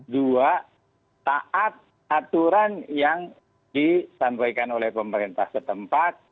dua taat aturan yang disampaikan oleh pemerintah setempat